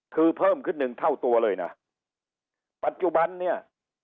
คือเพิ่มขึ้นหนึ่งเท่าตัวเลยนะปัจจุบันเนี่ย